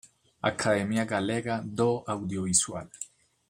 Academia Galega do Audiovisual